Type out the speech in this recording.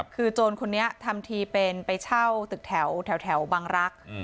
คือโจรคนนี้ทำทีเป็นไปเช่าตึกแถวบังรักษ์